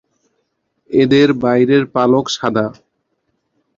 এদের বাইরের পালক সাদা।